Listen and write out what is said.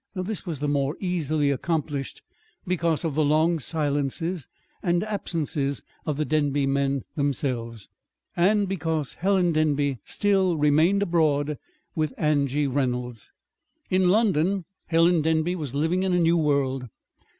This was the more easily accomplished because of the long silences and absences of the Denby men themselves, and because Helen Denby still remained abroad with Angie Reynolds. In London Helen Denby was living in a new world.